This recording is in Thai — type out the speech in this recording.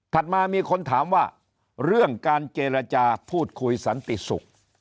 มามีคนถามว่าเรื่องการเจรจาพูดคุยสันติสุข